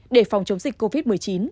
để phòng chống dịch covid một mươi chín